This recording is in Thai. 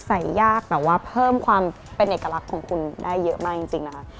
ยากแต่ว่าเพิ่มความเป็นเอกลักษณ์ของคุณได้เยอะมากจริงนะคะ